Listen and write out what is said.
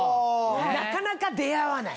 なかなか出合わない。